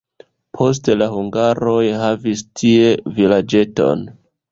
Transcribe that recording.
Poste la hungaroj havis tie vilaĝeton.